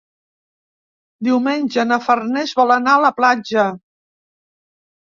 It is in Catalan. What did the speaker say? Diumenge na Farners vol anar a la platja.